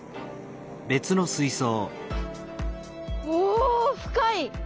おお深い！